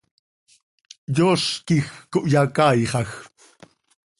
Yooz quij cohyacaaixaj.